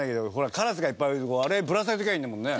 カラスがいっぱいいる所あれぶら下げておけばいいんだもんね。